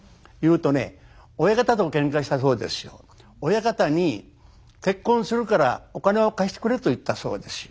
親方に結婚するからお金を貸してくれと言ったそうですよ。